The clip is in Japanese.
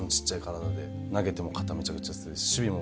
投げても肩むちゃくちゃ強いし守備も。